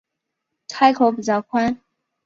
开口比较宽